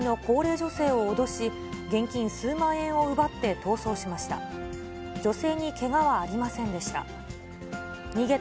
女性にけがはありませんでした。